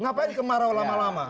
ngapain kemarau lama lama